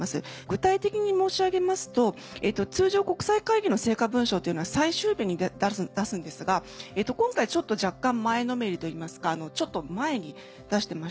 具体的に申し上げますと通常国際会議の成果文書というのは最終日に出すんですが今回ちょっと若干前のめりといいますかちょっと前に出してましたよね。